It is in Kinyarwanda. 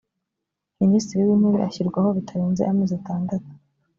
minisitiri w’intebe ashyirwaho bitarenze amezi atandatu